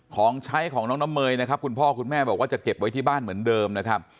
ของใช้ของน้องน้ำเมยนะครับคุณพ่อคุณแม่บอกว่าจะเก็บไว้ที่บ้านเหมือนเดิมนะครับ